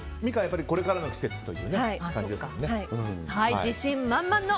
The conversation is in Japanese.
これからの季節という感じですもんね。